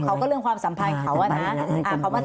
เขาก็เรื่องความสัมภัยเขานะ